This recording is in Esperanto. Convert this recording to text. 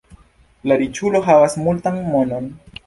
La riĉulo havas multan monon.